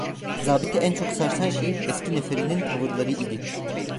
Zabiti en çok sarsan şey, eski neferinin tavırları idi.